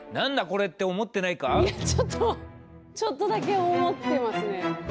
いやちょっとちょっとだけ思ってますね。